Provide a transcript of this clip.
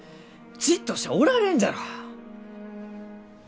じっとしちゃおられんじゃろう？